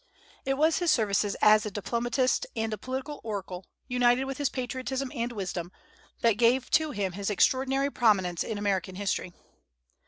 It was his services as a diplomatist and a political oracle, united with his patriotism and wisdom, that gave to him his extraordinary prominence in American history.